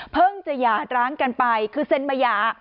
เพิ่งจะหยาดร้างกันไปคือเซ็นต์บัญญา